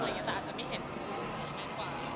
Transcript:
แต่อาจจะไม่เห็นมากกว่า